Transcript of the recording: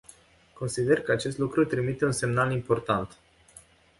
Consider că acest lucru trimite un semnal important.